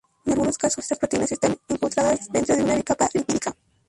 En algunos casos estas proteínas están empotradas dentro de una bicapa lipídica.